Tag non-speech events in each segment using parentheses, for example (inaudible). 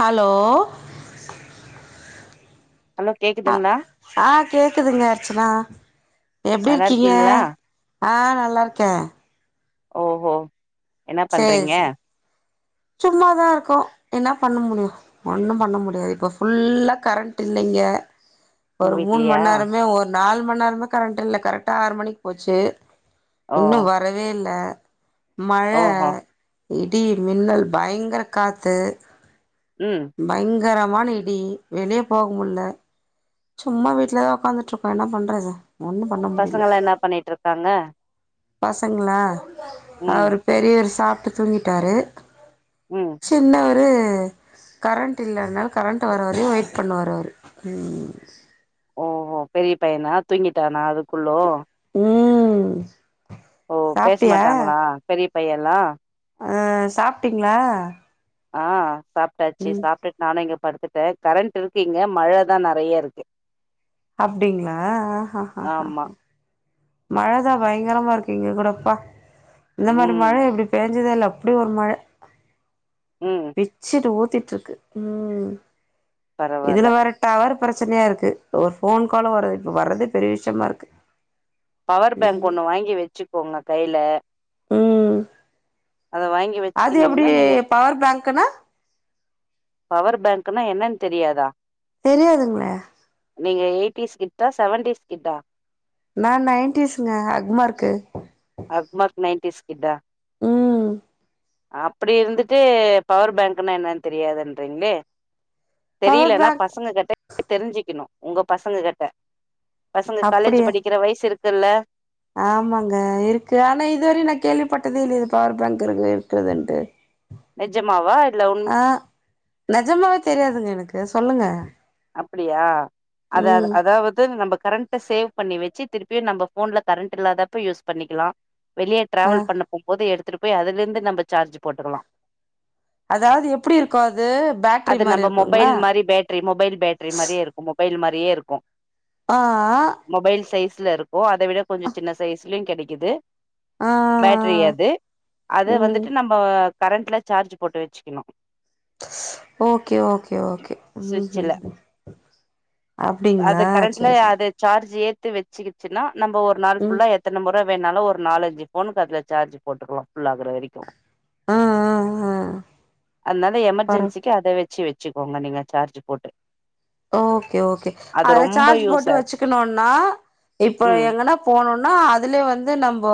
Hello hello அ கேக்குதுங்களா ஆ கேக்குதுங்க அர்ச்சனா நல்லா எபடிற்க்கீங்க இருக்கீங்களா ஆ நல்லாருக்கே ஓ ஓ என்ன பண்றீங்க சும்மாதாருக்கோ என்னா பண்ண முடியு ஒண்ணு பண்ண முடியாது இப்ப ஃபுல்லா கரண்டு இல்லங்கெ உங்க ஒரு மூண் மண் வீட்லயா நேரமே ஒரு நால் மண் நேரமே கரண்ட் இல்ல கரெக்டா ஆறு மணிக்கு போச்சு ஓ இன்னு வரவேயில்ல மழ ஓஹோ இடி மின்னல் பயங்கர காத்து ம் பயங்கரமான இடி வெளிய போக முட்ல்ல சும்மா வீட்லதா உகாந்துட்ருக்கோ என்ன பண்றது ஒன்னு பண்ண முடில பசங்கல்லா என்னா பண்ணிட்ருக்காங்க பசங்களா ம் அவரு பெரிவரு சாப்ட்டு தூங்கிட்டாரு ம் சின்னவரு கரண்ட் இல்ல அதனால கரண்ட்டு வர வரையு வெயிட் பண்ணுவாரு அவரு ஓஹோ பெரிய பையனா தூங்கிட்டானா அதுக்குள்ளோ ம் ஓ பேச சாப்ட்டியா மாட்டாங்களா பெரிய பைய எல்லா அ சாப்டீங்ளா ஆ சாப்டாச்சு சாப்டுட் நானு இங்க படுத்துட்ட கரண்ட் இருக்கு இங்க மழதா நெறைய இருக்கு அப்டிங்களா ஆ ஆமா மழதா பயங்கரமா இருக்கு இங்க கூட அப்பா இந்த மாரி ம் மழ இப்டி பெஞ் பேஞ்சதே இல்ல அப்டி ஒரு மழ ம் பிச்சுட்டு ஊத்திட்டு இருக்கு ம் பரவால்ல இதுல வேற டவர் பிரச்சனையா இருக்கு ஒரு போன் கால் வரது இப்ப வர்றதே பெரிய விஷ்யமா இருக்கு பவர் பேங்க் ஒன்னு வாங்கி வெச்சுக்கோங்க கைல ம் அத வாங்கி அது எப்டி வச்சுக்கினீங்கன்னா நீங்க பவர் பேங்க்னா பவர் பேங்க்னா என்னன் தெரியாதா தெரியாதுங்ளே நீங்க எய்ட்டீஸ் கிட்டா செவன்டீஸ் கிட்டா நா நைன்டிஸ்ங்க அக்மார்க்கு அக்மார்க் நைன்ட்டீஸ் கிட்டா ம் அப்டி இருந்துட்டு பவர் பேங்க்ன்னா என்னன் தெரியாதுன்றீங்களே பவர் தெரியலன்னா பேங்க் பசங்க கிட்ட கேட்டு தெரிஞ்சிக்கணு உங்க பசங்க கிட்ட பசங்க காலேஜ் அப்டியா படிக்கற வயசு இருக்குல்ல ஆமாங்க இருக்கு ஆனா இதுவரயு நா கேள்விப்பட்டதே இல்லயே இது பவர் பேங்க் இருக்கு இருக்குதுன்ட்டு நெஜமாவா இல்ல உண் ந நெஜமாவே தெரியாதுங்க எனக்கு சொல்லுங்க அப்டியா அத ம் அதாவது நம்ப கரண்ட்ட சேவ் பண்ணி வெச்சு திருப்பியு நம்ப போன்ல கரண்ட் இல்லாதப்ப யூஸ் பண்ணிக்கலா வெளிய ஆ டிராவல் பண்ண போம்போது எடுத்துட்டு போய் அதுல இருந்து நம்ம சார்ஜ் போட்டுக்கலா அதாவது எப்டி இருக்கு அது பேட்ரி அது மாரி நம்ப இருக்குங்களா மொபைல் மாரி பேட்ரி மொபைல் பேட்ரி மாரியே இருக்கு மொபைல் மாரியே இருக்கு ஆ அ மொபைல் சைஸ்ல இருக்கு அத விட கொஞ்சோ சின்ன சைஸ்லயு கெடைக்குது ஆ பேட்ரி ஆ அது அத ம் வந்துட்டு நம்ப கரண்ட்ல சார்ஜ் போட்டு வெச்சுக்கணு ஸ் ஓகே ஓகே ஓகே சுவிட்சுல ம் அப்டிங்ளா அது கரண்ட்ல சேரி சேரி அது சார்ஜ் ஏத்து வெச்சுகிச்சுனா நம்ப ஒரு நாள் ம் புல்லா எத்தன முற வேணாலு ஒருா நாலஞ்சு போனுக்கு அதுல சார்ஜ் போட்டுக்கலா ஃபல் ஆகுற வரைக்கு ஆ ஆ ஆ அதுனால பரவ எமர்ஜென்ஸி கே அத வச்சு வச்சுக்கோங்க நீங்க சார்ஜு போட்டு ஓகே ஓகே அது அதுல ரொம்ப சார்ஜ் போட்டு யூஸா இருக்கு வச்சுக்குணுனா இப்ப ம் எங்கனா போனுனா அதுல வந்து நம்போ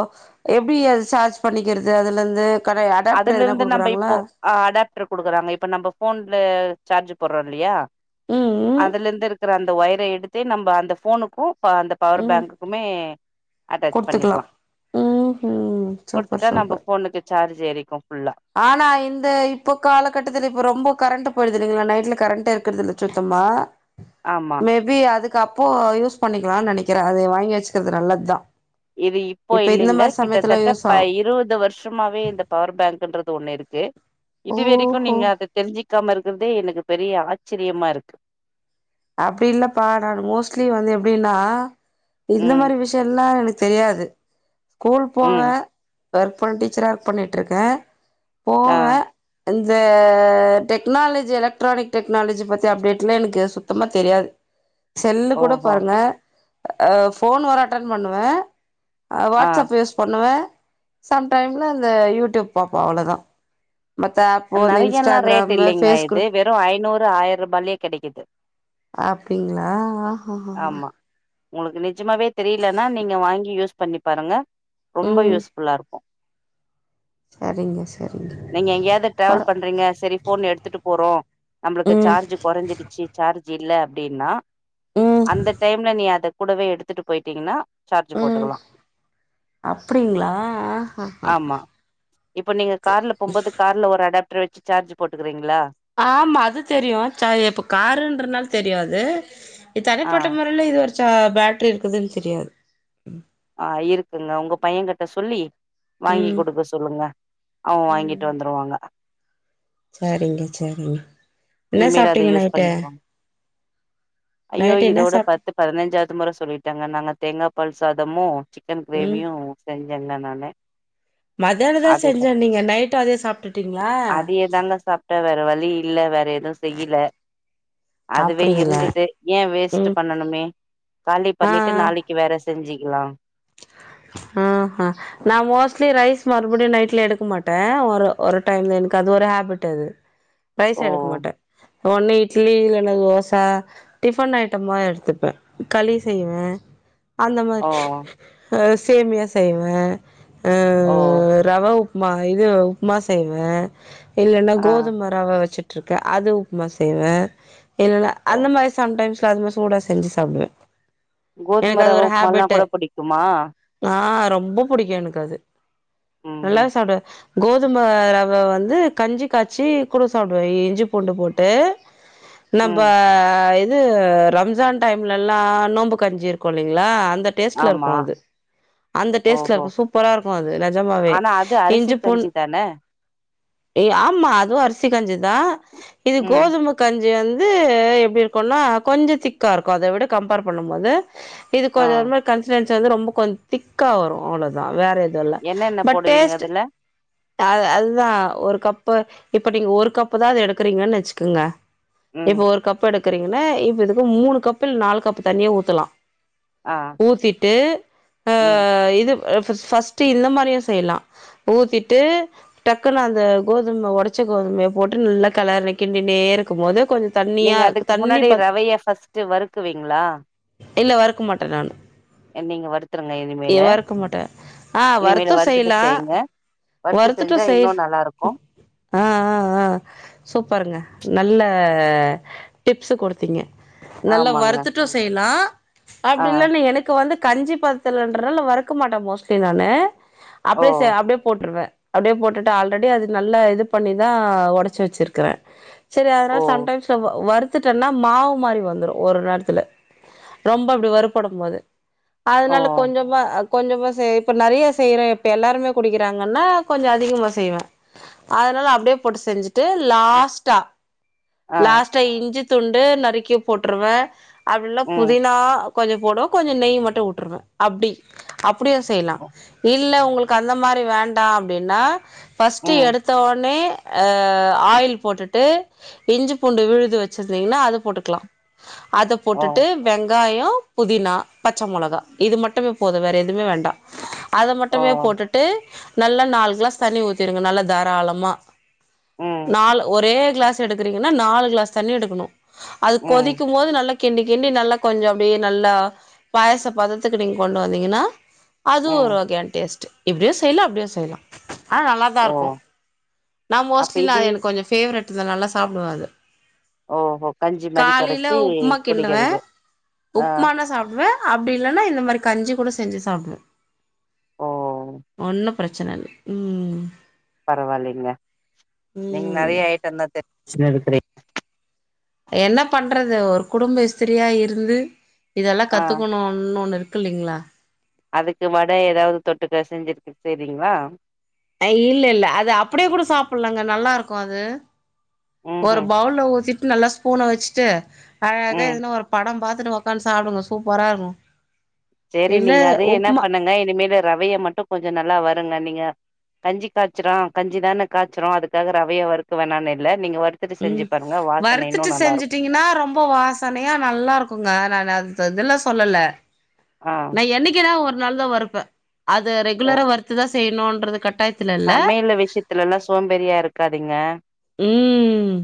எப்டி அது சார்ஜ் பண்ணிக்கிறது அதுல இருந்து கனே அடாப்ட்ரு எதுனா குடுக்குறாங்குளா ஆ அடாப்ட்ரு குடுக்குறாங்க இப்ப நம்ம ஃபோன்ல சார்ஜு போட்றோ இல்லயா ம் ம் அதுல இருந்து இருக்குற அந்த ஒயர எடுத்தே நம்ப அந்த ஃபோனுக்கு இப்ப அந்த பவர் ம் பேங்க்குக்குமே அட்டாச் குடுத்துக்கலா பண்ணிக்குலா ம் ம் சூப்பர் குடுத்துட்டா நம்ம சூப்பர் ஃபோனுக்கு சார்ஜு ஏரிக்கு ஃபுல்லா ஆனா இந்த இப்போ காலகட்டத்துல இப்ப ரொம்போ கரண்ட்டு போய்டுது இல்லைங்ளா நைட்ல கரண்ட்டே இருக்குறதில்ல சுத்தமா ஆமா மேபி அதுக்கப்போ யூஸ் பண்ணிக்குலான் நெனைக்கிற அது வாங்கி வச்சுக்கிறது நல்லத்தா இது இப்போ இல்லைங்க கிட்டதட்ட யூஸ் ப ஆகு இருவது வர்ஷ் ஜும்மாவே இந்த பவர் பேங்குன்றது ஒன்னு இருக்கு இது வரைக்கு ஓஹோ நீங்க அது தெரிஞ்சிக்காம இருக்கற்தே எனக்கு பெரிய ஆச்சரியமா இருக்கு அப்டி இல்லப்பா நானு மோஸ்ட்லி வந்து எப்டினா இந்த ம் மாரி விஷ் அதெல்லா எனக் தெரியாது ஸ்கூல் போவ ம் ஒர்க் போற டீச்சரா ஒர்க் பண்ணிட்ருக்க ஆ போவ இந்த டெக்னாலஜி எலெக்ட்ரானிக் டெக்னாலஜி பத்தி அப்டேட்லா எனக்கு சுத் தமா தெரியாது செல்லு கூட ஓஹோ பாருங்க ஆ ஃபோன் வர அட்டன் பண்ணுவ ஆ வாட்ஸ்அப் யூஸ் பண்ணுவ சம்டைம்ல அந்த யூடியூப் பாப்ப அவுளோதா மத்த ஆப் நெறையலா ரேட் இல்லைங்க இது வெறு ஐநூறு ஆயர்ருபாய்லே கெடைக்குது அப்டிங்ளா ஆஹ ஹ ஹ உங்ளுக்கு நிஜமாவே தெரியலனா நீங்க வாங்கி யூஸ் பண்ணி பாருங்க ரொம்ப ம் யூஸ் ஃபுல்லா இரு க்கு சரிங்க சரிங்க நீங்க எங்யாது பர டிராவல் பண் றீங்க சேரி ஃபோன் எடுத்துட்டு போறோ நம்ளுக்கு ம் சார்ஜு கொறஞ்சிடுச்சு சார்ஜ் இல்ல அப்டினா ம் அந்த டைம்ல நீ அத கூடவே எடுத்துட்டு போய்ட்டீங்கனா சார்ஜு ம் போட்டுக்குலா அப்டிங்களா ஆஹஹ ஆமா இப்ப நீங்க கார்ல போம்போது கார்ல ஒரு அட் பேட்ரு வச்சு சார்ஜு போட்டுக்கிறீங்ளா ஆமா அது தெரியு சா இப்ப காருன்றதுனால தெரியாது இது ஆ தனிப்பட்ட முறைல இது ஒரு சா பேட்ரி இருக்குதுன் தெரியாது ஆ இருக்குங்க உங்க பையன் கிட்ட சொல்லி வாங்கி ம் குடுக்க சொல்லுங்க அவன் வாங்கிட்டு ம் வந்துருவாங்க சரிங்க சரிங்க என்ன இனிமேல் அத சாப்ட்டீங்க யூஸ் நைட்டு பண்ணிக்குவாங்க நைட்டு என்ன சாப்ட்டு பதினஞ்சாது முற சொல்லிட்டங்க நாங்க தேங்காப்பால் சாதமு சிக்கன் ம் கிரேவியு செஞ்சங்க நானு மதியானதா அதுதா செஞ்சனீங்க நைட்டு அதே சாப்ட்டுட்டீங்ளா இதாங்க சாப் உட்டா வேற வழி இல்ல வேற எது செய்யில அதுவே அப்டிங்களா இருந்துது ஏன் வேஸ்ட்டு ம் பண்ணணுமே காலி ஆ பண்ணிட்டு ஆ நாளி க்கி வேற செஞ்சுக்குலா ம் ம் நா மோஸ்ட்லி ரைஸ் மறுபடியு நைட்ல எடுக்க மாட்ட ஒரு ஒரு டைம்ல எனக்கு அது ஒரு ஹேப்பிட்டு அது (inaudible) ரைஸ் எடுக்க மாட்ட ஒன்லி இட்லி இல்லன்னா தோச டிஃபன் ஐட்டமா எடுத்துப்ப களி செய்வ அந்த மாரி ஓ அ சேமியா செய்வ அ ஓ ரவ உப் மா இது உப்மா செய்வ இல்லன்னா ஆ கோதும ரவ வச்சிட்ருக்க அது உப்மா செய்வ இல்லனா ஓ அந்த மாரி சம் டைம்ல அது மா சூடா செஞ்சு சாப்டுவ கோதும ரவ உப்மல்லா கூட புடிக்குமா ஆ ரொம்ப புடிக்கு எனக்கு அது ம் நல்லா ம் சட கோதும ரவ வந்து கஞ்சி காய்ச்சி கூட சாப்டுவ இஞ்சி பூண்டு போட்டு நம்ப ம் ஏ து ரம்ஜான் டைம்லலா நோன்ம்பு கஞ்சி இருக்கு இல்லைங்ளா அந்த டேஸ்ட்ல இருக்கு ஆமா அது அந்த டேஸ்ட்ல ஓஹோ இருக்கு சூப்பரா இருக்கு அது நிஜமாவே ஆனா அது அரிசி இஞ்சி பூண் கஞ்சி தானே ஏ ஆமா அது அரிசி கஞ்சிதா இது ம் கோதும கஞ்சி வந்து எப்டி இருக்குன்னா கொஞ்ச திக்கா இருக்கு அத விட கம்பேர் பண்ணும் போது இது ஆ கொஞ்சோ ஒரு மாரி கன்சிஸ்டன்சி வந்து ரொம்ப கொஞ் திக்கா வரு அவ்ளோதா வேற எது தோல்ல என்னென்ன பட் போடுவீங்க டேஸ்ட் அதுல அத் அதுதா ஒரு கப்பு இப்ப நீங்க ஒரு கப்பு தா அது எடுக்கறீங்கன் வச்சுக்கங்க ம் இப்ப ஒரு எடுக்கறீங்கன்னா இப்ப இதுக்கு மூணு கப் இல்ல நாலு கப் தண்ணியே ஊத்தலா ஆ டு அ ம் இது ஃபஸ்ட்டு இந்த மாரியு செய்லா ஊத்திட்டு டக்குன்னு அந்த கோதும ஒடச்ச கோதுமைய போட்டு நல்லா கலர்ர கிண்டிடே இருக்கும் போது கொஞ் நீங்க அதுக்கு முன்னாடி ரவைய பர்ஸ்ட்டு வறுக்குவீங்களா இல்ல வறக்க மாட்ட நானு நீங்க வருத்துருங்க இனிமேலு வறுக்க மாட்டேன் ஆ இனிமேலு வறுத்தும் வருத்துட்டு செய்ங்க செய்யலாம் வருத்து வறுத்துட்டு செஞ்சா செய்ற இன்னு நல்லா இருக்கு ஆ ஆ ஆ சூப்பருங்க நல்ல டிப்ஸ்சு குடுத்தீங்க நல்ல ஆமாங்க வருத்துட்டு செய்லா ஆ அப்டி இல்லன் நீங்க எனக் இப்போ வந்து கஞ்சி பதத்தன்றனால வறுக்க மாட்டே மோஸ்ட்லி நானு ஓ அப்டியே சே அப்டியே போட்ருவே அப்டியே போட்டுட்டு ஆல்ரெடி அது நல்லா இது பண்ணிதா உடச்சு வச்சிருக்கறே சேரி அதனால ஓ சம்டைம்ஸ் வருத்துட்டனா மாவு மாதிரி வந்துரு ஒரு நேரத்துல ரொம்ப அப்டி வருப்படும்போது ஓ அதுனால கொஞ்சமா கொஞ்சமா செய் இப்ப நெறைய செய்யறே இப்ப எல்லாருமே குடிக்கிறாங்கன்னா கொஞ்சோ அதிகமா செய்வே அதனால அப்டியே போட்டு செஞ்சுட்டு லாஸ்டா ஆ லாஸ்டா இஞ்சி துண்டு நறுக்கி போட்டுருவ அப்பில்லன்னா ம் புதினா கொஞ்ச போடுவ கொஞ்ச நெய் மட்டு வுட்டுருவ அப்டி அப்பிடியு செய்லா ஒ இல் இல்ல உங்களுக்கு அந்த வேண்டா அப்டின்னா பஸ்ட்டு ம் எடுத்தோனே அ ஆயில் போட்டுட்டு இஞ்சி பூண்டு விழுது வச்சிருந்தீங்கன்னா அது போட்டுக்லா அத ஓ போட்டுட்டு வெங்காயோ புதினா பச்ச மொளகா இது மட்டுமே போது வேற எதுமே வேண்டா அத ஓ மட்டுமே போட்டுட் டு நல்லா நாலு கிளாஸ் தண்ணி ஊத்திர்ருங்க நல்லா தாராளமா ம் நாலு ஒரே கிளாஸ் எடுக்குறிங்கன்னா நாலு கிளாஸ் தண்ணி எடுக்கணு அது ம் கொதிக்கும் போது நல்லா கிண்டி கிண்டி நல்ல கொஞ்ச அப்டியே நல்லா பாயாச பதத்துக்கு நீங்க கொண்டு வந்தீங்கன்னா அதுவு ஒரு ம் டேஸ்ட்டு இப்டியு செய்யலா அப்டியு செய்யலா ஆனா நல்லாதா ஓ இருக்கு நா அப்ப மோஸ்ட்லி நா இது அத எனக்கு கொஞ்சோ ஃபேவரட் அது நல்லா சாப்டுவ அத ஓஹோ கஞ்சி மாரி காலில கரைச்சி உப்மா கிண்டுவ குடிக்கிறது ஆ உப்மானா சாப்டுவ அப்டி இல்லன்னா இந்த மாரி கஞ்சி கூட செஞ்சு சாப்டுவ ஓ ஒன்னு ப்ரெச்சன இல்ல ம் பரவாலிங்க நீங்க ம் நெறைய ஐட்டோந்தா தெரிஞ்ச் வச்ருக்றீங் என்ன பண்றது ஒரு குடும்ப இஸ்திரியா இருந்து இதெல்லா ஆ கத்துக்கணு இன்னொன்னு இருக்குல்லைங்களா அதுக்கு மட ஏதாவது தொட்டுக்க செஞ்சிரு (inaudible) செய்றீங்களா அய் இல்ல இல்ல அது அப்படியே கூட சாப்பிடலங்க நல்லா இருக்கு அது ம் ஒரு ம் பவுல ஊத்திட் நல்லா ஸ்பூன வச்சுட்டு அழக ம் எதுனா ஒரு படம் பாத்துட்டு உட்காந்து சாப்டுங்க சூப்பரா இருக்கு சேரி இல்ல நீங்க அது என்ன உப்புமா பண்ணுங்க இனிமேல் ரவைய மட்டு கொஞ்சோ நல்லா வருங்க நீங்க கஞ்சி காச்றோ கஞ்சிதானே காச்றோ அதுக்காக ரவைய வறுக்க வேணானு இல்ல நீங்க வறுக் ம் வருத்துட்டு செஞ்சுட்டீங்கனா ரொம் போ வாசனையா நல்லா இருக்குங்க நா அது இதல்ல சொல்லல ஆ என்னைக்குதா ஒரு நாள்தா வருப்பே அது ரெகுலரா வறுத்துதா செய்ணுன்றது கட்டாயத் சமையலு விஷயத்துலல்லா சோம்பேரியா இருக்காதீங்க ம்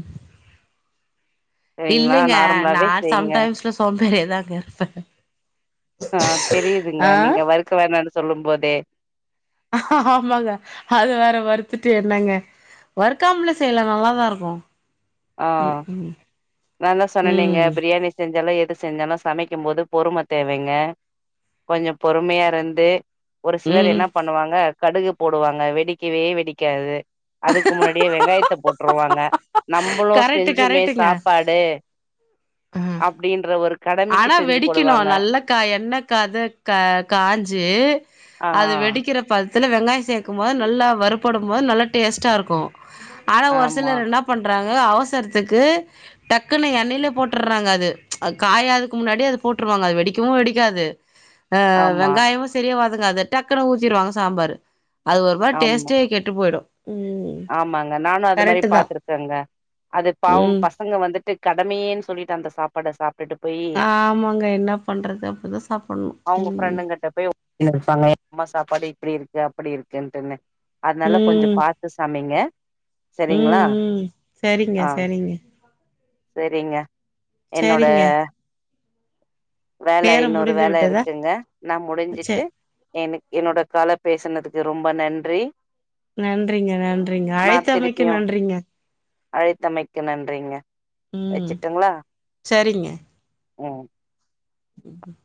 சரிங்களா இல்லைங்க நா நார்மலாவே செய்ங்க சம்டைம்ஸ்ல சோம்பேரியாதாங்க இருப்பே ஆ தெரியுதுங்க நீங்க வறுக்க வேணானு சொல்லும்போதே ஆமாங்க அது வேற வறுத்துட்டு என்னங்க வறுக்காம்லே செய்யலா நல்லாதா இருக்கு ம் ம் நாந்தா சொன்னனேங்க ம் பிரியாணி செஞ்சாலு எது செஞ்சாலு சமைக்கும்போது பொறும தேவைங்க கொஞ்சோ பொறுமையாருந்து ஒரு சிலர் ம் என்ன பண்ணுவாங்க கடுகு போடுவாங்க வெடிக்கவே வெடிக்காது அதுக்கு முன்னாடியே வெங்காயத்த போட்ருவாங்க நம்பளு கரெக்ட்டு செஞ்சுமே கரெக்ட்டுங்க. சாப்பாடு ஆ அப்டின்ற ஒரு கடமைக்கு ஆனா செஞ்சு வெடிக்குணு போடுவாங்க நல்லக்க என்னக்கத க காஞ்சு ஆ அது வெடிக்கிற பத துல வெங்காயோ சேக்குமோது நல்லா வறுப்படுபோது நல்லா டேஸ்ட்டா இருக்கு ஆனா ஒரு ஆமா சிலர் என்னாப் பண்றாங்க அவசரத்துக்கு டக்குனு எண்ணைலே போட்டுற்றாங்க அது காயாதுக்கு முன்னாடியே அது போட்ருவாங்க அது வெடிக்கவு வெடிக்காது அ ஆமா வெங்காயமு செரியா வதங்காது டக்குனு ஊத்திருவாங்க சாம்பாரு அது ஒரு மாரி ஆமா டேஸ்டே கெட்டு போயிடும் ஆமாங்க நானும் அது மாரி கரெக்ட்டு தான். பாத்துருக்கேங்க அது பாவம் ம். பஸ்ட் பசங்க வந்துட்டு கடமையேன்னு சொல்லிட்டு அந்த சாப்பாட சாப் ஆமாங்க என்ன பண்றது அப்டிதான் சாப்புடணும் அவங்க ஃப்ரெண்டுங்கிட்ட போய் இருப்பாங்க அம்மா சாப்பாடு இப்புடி இருக்கு அப்புடி இருக்குட்டுனு அதனால கொஞ்ச ம். பாத் து சமைங்க ம் செரிங்களா ம் சரிங்க ஆ சரிங்க சேரிங்க என்னோட சரிங்க வேல நேரம் இன்னொரு முடிந்து வேல விட்டதா இருக்குங்க நா சே முடிஞ்சிட்டு எனக் என்னோட கால பேசனதுக்கு ரொம்ப நன்றி நன்றிங்க நன்றிங்க நா அழைத்தமைக்கு திருப்பியு நன்றிங்க அழைத்தமைக்கு நன்றிங்க ம் வச்சுட்டுங்களா சேரிங்க ம் ம்